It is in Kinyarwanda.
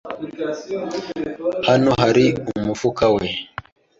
Hano hari umufuka we.